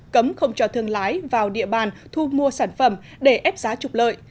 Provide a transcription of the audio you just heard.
cấm không cho thương lái vào địa bàn thu mua sản phẩm để ép giá trục lợi